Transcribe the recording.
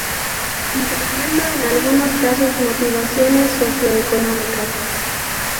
Incluyendo, en algunos casos, motivaciones socio-económicas.